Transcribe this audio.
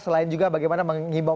selain juga bagaimana mengimbau